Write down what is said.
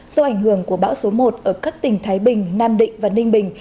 do ảnh hưởng của bão số một ở các tỉnh thái bình nam định và ninh bình